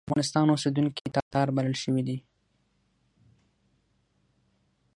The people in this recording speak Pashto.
د افغانستان اوسېدونکي تاتار بلل شوي دي.